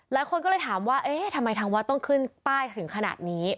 หลายคนก็เลยถามว่าเอ๊ะทำไมทางวัดต้องขึ้นป้ายถึงขนาดนี้